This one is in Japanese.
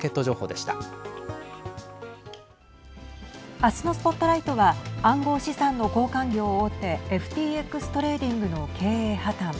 明日のＳＰＯＴＬＩＧＨＴは暗号資産の交換業大手ＦＴＸトレーディングの経営破綻。